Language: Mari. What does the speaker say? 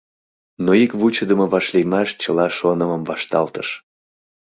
Но ик вучыдымо вашлиймаш чыла шонымым вашталтыш.